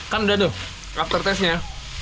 kan udah tuh after taste nya